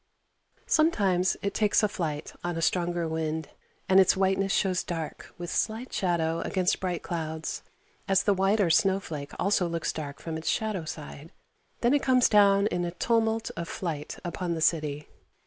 Sometimes it takes a flight on a stronger wind, and its whiteness shows dark with slight shadow against bright clouds, as the whiter snow flake also looks dark from its shadow side. Then it comes down in a tumult of flight upon the city.